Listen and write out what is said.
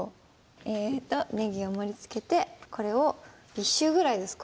えーっとねぎを盛りつけてこれを１周ぐらいですか？